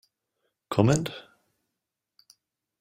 Comment?